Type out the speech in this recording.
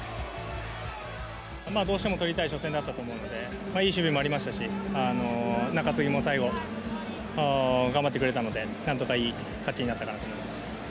どうしても取りたい初戦だったと思うので、いい守備もありましたし、中継ぎも最後、頑張ってくれたので、なんとかいい勝ちになったかなと思います。